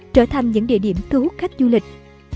trở thành những địa điểm thú khách du lịch